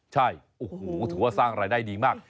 ใช่โอ้โหถือว่าสร้างรายได้ดีมาก